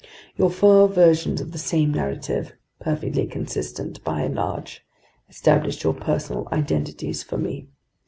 Your four versions of the same narrative, perfectly consistent by and large, established your personal identities for me.